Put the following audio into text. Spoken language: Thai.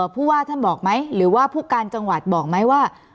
ผู้ว่าท่านบอกไหมหรือว่าผู้การจังหวัดบอกไหมว่า